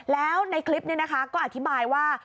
แล้วในคลิปนี้นะคะก็อธิบายว่า